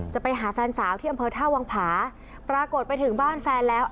ไปหาแฟนสาวที่อำเภอท่าวังผาปรากฏไปถึงบ้านแฟนแล้ว